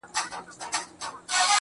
دغه ياغي خـلـگـو بــه منـلاى نـــه.